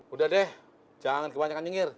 udah deh jangan kebanyakan nyinyir